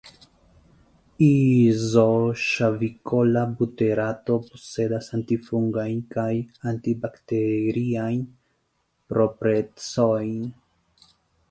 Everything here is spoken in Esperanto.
Izoŝavikola buterato posedas antifungajn kaj antibakteriajn proprecojn.